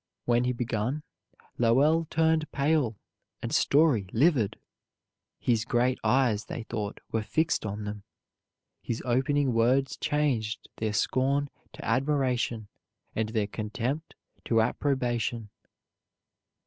When he begun, Lowell turned pale, and Story livid. His great eyes, they thought, were fixed on them. His opening words changed their scorn to admiration, and their contempt to approbation.